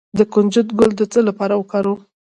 د کنجد ګل د څه لپاره وکاروم؟